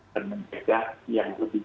dengan menjaga yang lebih